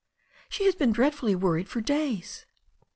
"She has been dreadfully worried for days.